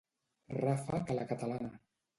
Ràfec a la catalana.